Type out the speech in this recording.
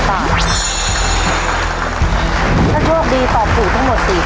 ถ้าโชคดีตอบถูกทั้งหมด๔ข้อ